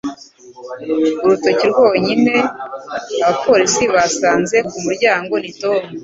Urutoki rwonyine abapolisi basanze ku muryango ni Tom.